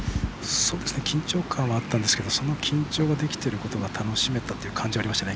緊張感はあったんですがその緊張できているのが楽しめたという感じがありましたね。